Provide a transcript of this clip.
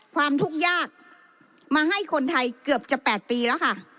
ความทุกข์ยากมาให้คนไทยเกือบจะ๘ปีแล้วค่ะ